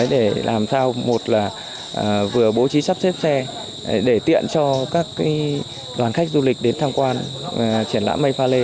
để làm sao một là vừa bố trí sắp xếp xe để tiện cho các đoàn khách du lịch đến tham quan triển lãm may pha lê